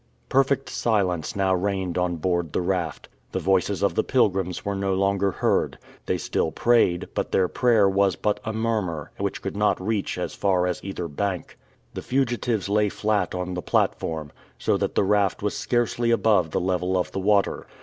Perfect silence now reigned on board the raft. The voices of the pilgrims were no longer heard. They still prayed, but their prayer was but a murmur, which could not reach as far as either bank. The fugitives lay flat on the platform, so that the raft was scarcely above the level of the water.